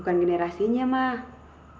bukan generasinya ma tapi zamannya yang udah berubah